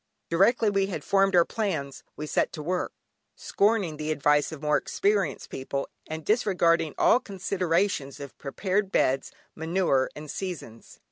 Directly we had formed our plans we set to work, scorning the advice of more experienced people, and disregarding all considerations of prepared beds, manure, and seasons.